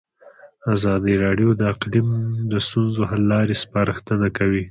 ازادي راډیو د اقلیم د ستونزو حل لارې سپارښتنې کړي.